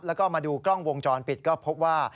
แล้วก็มาดูกล้องวงจรปิดก็พบว่า